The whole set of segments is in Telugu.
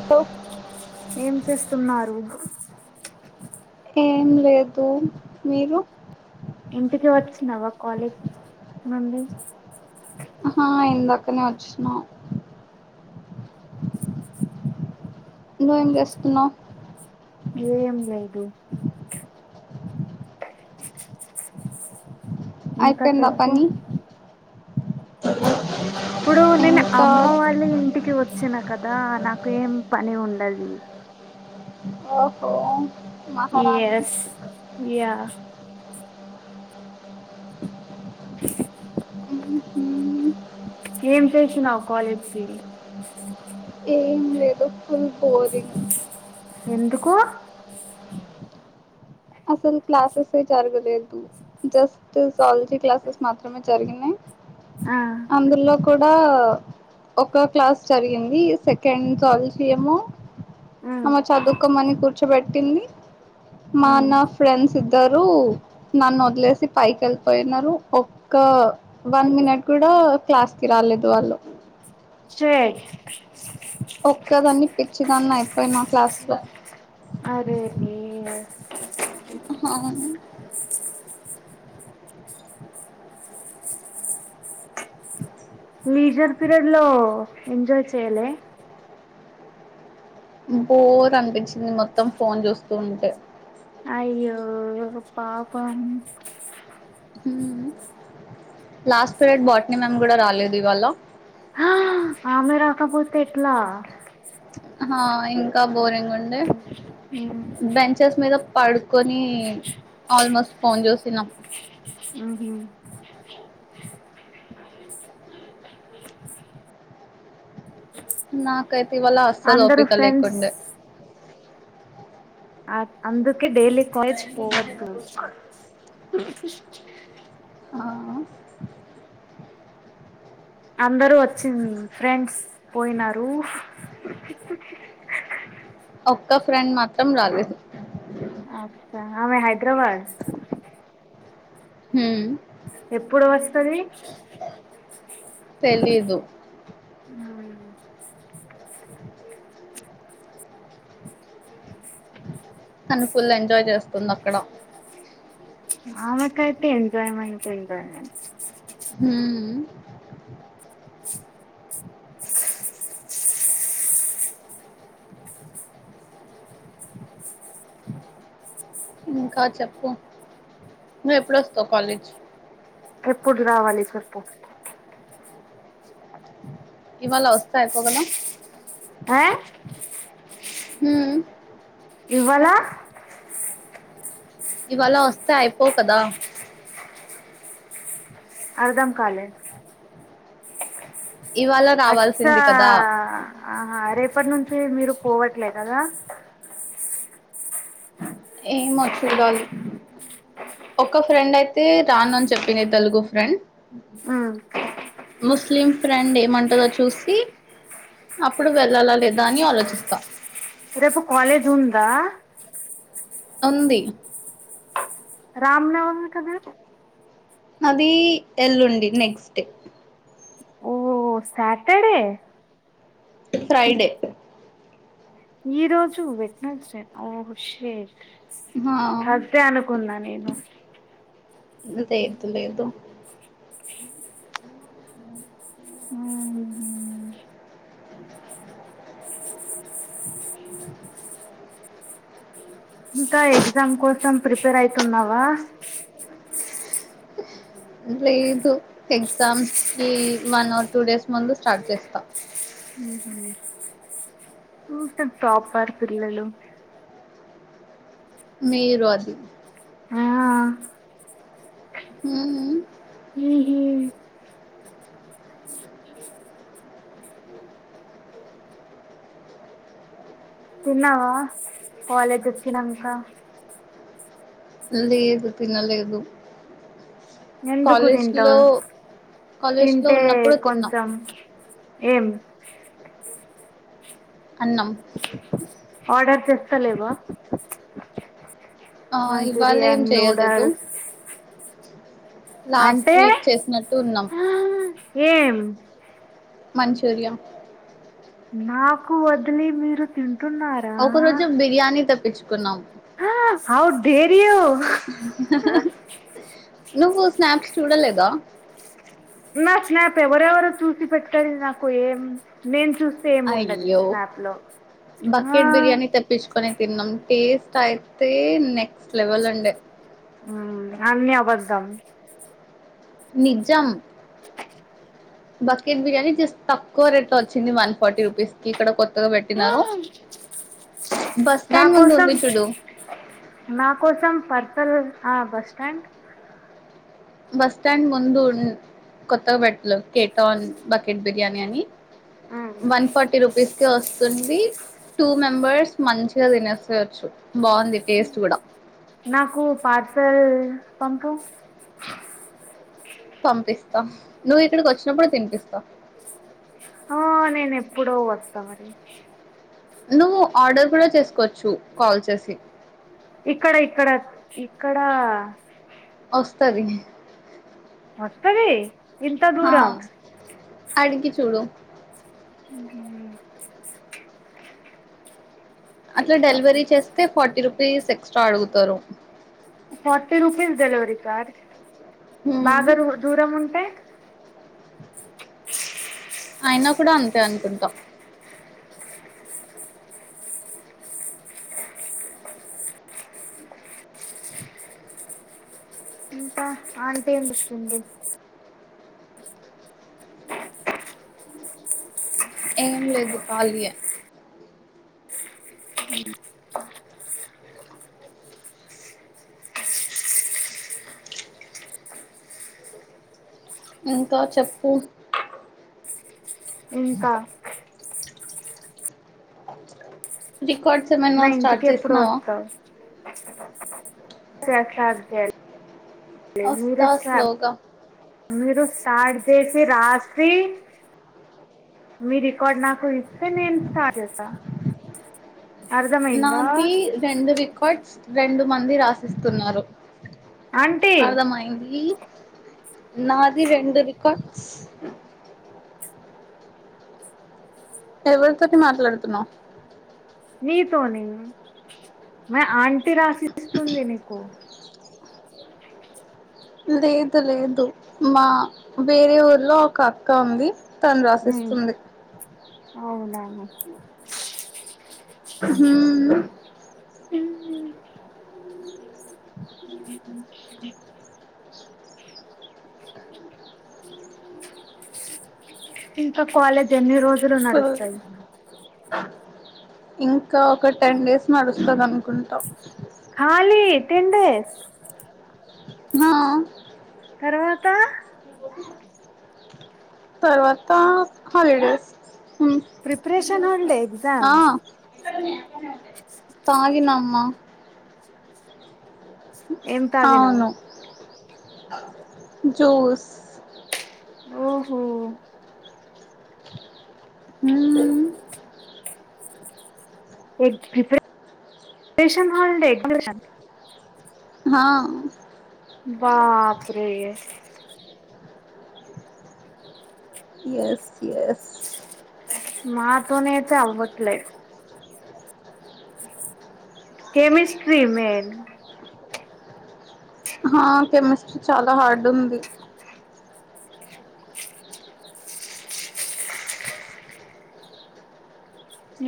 హలో ఏం చేస్తున్నారు. ఏం లేదు మీరు ఇంటికి వచ్చినవా కాలేజ్ నుండి ఆహా ఇందాకనే వచ్చినా నువ్వు ఏం చేస్తున్నావు ఏం లేదు ఇంకా అయిపోయిందా చెప్పు పని ఇప్పుడు నేను ఇంకా అమ్మ వాళ్ళ ఇంటికి వచ్చిన కదా నాకు ఏం పని ఉండది. ఓహో మహారాణి ఎస్ యా హ్ ఏం చేసినావు కాలేజ్ కి పోయి ఏం లేదు ఫుల్ బోరింగ్ ఎందుకు అసలు క్లాసెస్సే జరగలేదు. జస్ట్ సలజీ క్లాసెస్ మాత్రమే జరిగినాయి. ఆ అందులో కూ కూడా ఒక క్లాస్ జరిగింది. సెకండ్ సాల్వ్ సి ఎమో ఉమ్ ఆమె చదువుకోమని కుర్ ర్చోబెట్టింది. మా ఉమ్ నా ఫ్రెండ్స్ త్తరు నన్ను వదిలేసి పైకి వెళ్ళిపోయినారు. ఒక్క వన్ మినిట్ కూడా క్లాస్ కి రాలేదు. వాళ్ళు స్వీట్ ఒక్కదాన్నే పిచ్చిదాన్ని అయిపోయిన క్లాస్లో అరే రే [inaudible] లీజర్ పీరియడ్ లో ఎంజాయ్ చెయాలే బోర్ అనిపించింది మొత్తం ఫోన్ చూస్తూ ఉంటే అయ్యో పాపం హు లాస్ట్ పీరియడ్ బాటినీ మ్యామ్ కూడా రాలేదు ఇవాళ తిన్నావా హా ఇంకా బోరింగ్ ఉండే బెంచెస్ మీద పడుకొని ఆల్మోస్ట్ ఫోన్ చూసిన ఆహా నాకైతే ఇవాళ అస్సలు అందరు ఓపిక ఫ్రెండ్స్ లేకుండే ఆక అందుకే డైలీ కాలేజ్ పోవద్దు అ ఆ అందరూ వచ్చింది ఫ్రెండ్స్ పోయినారు ఒక్క ఫ్రెండ్ మాత్రం రాలేదు అమె హైదరాబాద్ హు ఎప్పుడు వస్తుంది తెలీదు. హా తను ఫుల్ ఎంజాయ చేస్ ఉంది అక్కడ ఆమకైతే ఎంజాయ్మెంట్ ఉంటాండా హ అ ఇంకా చెప్పు నువ్వు ఎప్పుడొస్తావ్ కాలేజ్ ఎప్పుడు రావాలి చెప్పు అదిే ఇవాళ వస్తే అయిపోవు కదా ఆ హు ఇవ్వాల ఇవాళ వస్తే అయిపోవు కదా అర్థం కాలే ఇవాళ అచ్చా రావాల్సింది కదా? ఆహా రేపటి నుంచి మీరు పోవట్లే కదా ఏమో చూడాలి ఒక ఫ్రెండ్ అయితే రాను అని చెప్పింది తెలుగు ఫ్రెండ్ ముస్లిం ఫ్రెండ్ ఏమంటదో చూసి అప్పుడు వెళ్ళాలా లేదా అని ఆలోచిస్తా రేపు కాలజ్ ఉందా ఉంది రామ్నవమి కదా అది ఎల్లుండి నెక్స్ట్ డే ఓ సాటర్డే ఫ్రైడే ఈ రోజు వెనాస్డే ఓ షేట్ హా అదే అనుకున్నా నేను ఇ లేదు లేదు హ్మ్మ్ ఇంకా ఎగ్జామ్ కోసం ప్రిపేర్ అయితున్నావా లేదు ఎగ్జామ్స్ కి వన్ ఆర్ టూ డేస్ ముందు స్టార్ట్ చేస్తా ఇంత ప్రాపర్ పిల్లలు మీరు అది ఆ హ్మ్మ్ హ్మ్మ్ తిన్నావా కాలేజ్ వచ్చినంక లేదు తినలేదు ఎందుకు కాలేజ్ లో తింటారు కాలేజ్ లో తింటే ఉన్నప్పుడు తిన్నాం కొంచెం ఎం అన్నం తలేవా ఆ ఇవాళం చేయ్యలేదు లాస్ట్ అంటే వీక్ చేసినట్టు ఉన్నాం ఆ, ఏం మంచూరియ నాకు వద్లీ మీరు తింట్ ఒక రోజు బిరియానీ తెప్పించ్ కున్నాం హ హౌ డేర్ యూ నువ్వు స్నాప్స్ చూడలేదా స్నాప్ స్నాప్ ఎవరెవరు చూసి పెట్టారు నాకు ఏం నేను చూ అయ్యో ఆ బకెట్ బిర్యానీ తెప్పించుకో కొని తిన్నాం టేస్ట్ అయితే నెక్స్ట్ లెవెల్ ఉండే అన్ని అబద్దం నిజం బకెట్ బిర్యానీ జస్ట్ తక్కువ రేట్ వచ్చింది వన్ ఫార్టీ రూపీస్ కి ఇక్కడ కొత్తగా పెట్టినారు. బస్ నా స్టాండ్ ముందు కోసం ఉంది చూడు నా కోసం పర్పల్ ఆ బస్టాండ్ బస్ స్టాండ్ ముందు కొత్తగా పెట్టలే కేటాన్ బకెట్ బిర్యానీ అని వన్ ఫార్టీ రుపీస్ వస్తుంది టూ మెంబర్స్ మంచిగా తినేసేయవచ్చు ఉమ్ నాకు పార్సల్ పంపు పంపిస్తా నువ్వు ఇక్కడికి వచ్చినప్పుడు తినిపిస్తా ఆ నేను ఎప్పుడో వస్తా మరి నువ్వు ఆర్డర్ కూడా చేసుకోవచ్చు కాల్ చేసి ఇక్కడ ఇక్కడ ఇక్కడ వస్తది మస్తది ఇంత ఆ, ధురం అడిగి చూడు హమ్ అట్లా డెలివరీ చేస్తే ఫార్టీ రూ ప్లీజ్ ఎక్స్ట్రా అడుగుతారు ఫార్టీ రుపీస్ డెలివరీ చార్జ్ హ్మ్. బాగా ర దూరం ఉంటా అయినా కూడా అంతే అనుకుంటా ఆంటంటేం చెస్టుంధి ఏం లేదు ఖళీయ ఇంకా చెప్పు ఇంకా వి కొంచం అయిన స్టార్ట్ చేసినవా స స సధా వస్తు స్లోగా మీరు స్టార్ట్ చేసి రాసి మీ రికార్డ్ నాకు ఇస్తే నేను స్టార్ట్ చేస్తా అర్థమైందా నాది రెండూ రికార్డ్స్ రెండు మంది రాసిస్తున్నారు ఆంటీ అర్ధం అయింది నాది రెండు రికార్ట్ ఎవడుతటి మాట్లాడుతున్నో నీతో నీ మ ఆంటి రాసిస్తుంది నీకు లేదు లేదు మా వేరే ఊరిలో ఒక అక్క ఉంది తను రాశిస్తుంది అవునవును హ్మ్ ఉమ్ ఉమ్ ఇంకా కాలేజ్ ఎన్ని రోజులు ఎరు ఫుల్ నడుస్తయి ఇంకా ఒక టెన్ డేస్ నడుస్తదనుకుంటా ఖాళీ టెన్ డేస్ హా తర్వాత తర్వాత హాలిడేస్ హ్మ్ ప్రిపరేషన్ హాలిడే ఆ ఎగ్జామ్స్ [unintelligible] ఆగినమ్మా ఏం తాగినవ్ జూస్ ఓహో ఉమ్ ప్రిపేర్ ప్రిపరేషన్ హాలిడేస్ ఎప్పటినుంచి [inaudible] హా బాప్రే ఎస్ ఎస్ మా తోనే ఐతే అవ్వట్లే కెమిస్ట్రీ మేన్ ఆహా కెమిస్ట్రీ చాలా హార్డ్ ఉంది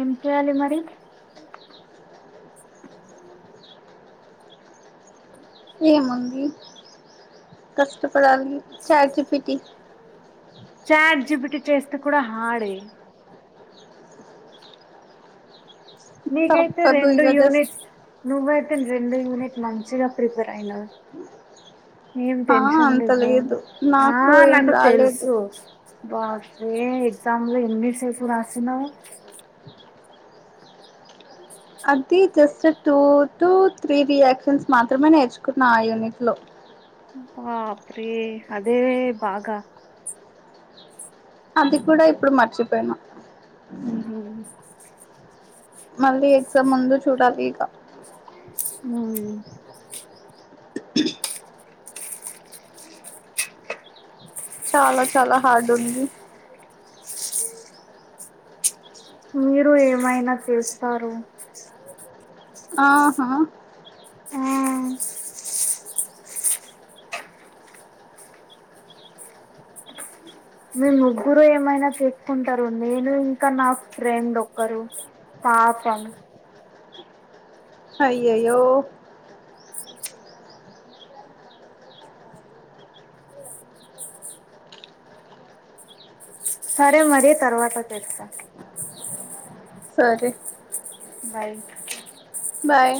ఏం చేయాలి మరి ఏముంది కష్టపడాలి చాట్ జిపిటి చాట్ జిపిటి చేస్తే కూడా హాడే నీకయితే తప్పదు రెండు ఇగ జస్ట్ యూనిట్స్ నువ్వే రెండు రెండు యూనిట్ మంచిగా ప్రిపేర్ అయిన ఏం ఆ టెన్షన్ అంత లేవ్వు లేదు ఆ ఏం నాకు రాలేదు తెలుసు బా ఏ ఎగ్జామ్ లో ఎన్ని సేఫ రాసినవ్ బస్ three just two to three reactions మాత్రమే నేర్చుకున్నాం ఆ యూనిట్ లో బాప్రే అదే బాగా అది కూడా ఇప్పుడు మర్చిపోయిన ఉహు స్ మళ్ళీ ఎగ్జామ్ ముందు చూడాలి ఇక ఉహు చాలా చాలా హార్డ్ ఉంది మీరు ఏమైనా తీస్తారు ఆహా ఆ మీ ముగ్గురు ఏమైనా తీసుకుంటారు నేను ఇంకా నా ఫ్రెండ్ ఒకరు పాపం అయ్యో అయ్యో సరే మరి తర్వాత తేస్తా సరే బైక్ బాయ్